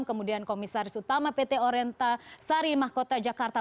kemudian komisaris utama pt orenta sarimah kota jakarta